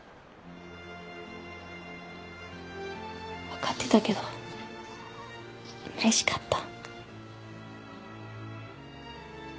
分かってたけどうれしかった。